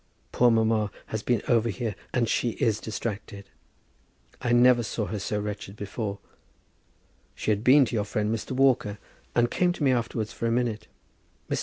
Poor mamma has been over here, and she is distracted. I never saw her so wretched before. She had been to your friend, Mr. Walker, and came to me afterwards for a minute. Mr.